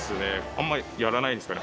あんまりやらないんですかね？